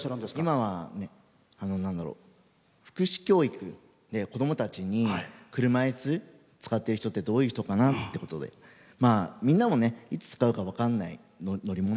今は、福祉教育で子どもたちに車いす使ってる人ってどういう人かなっていうことでみんなもねいつ使うか分からない乗り物。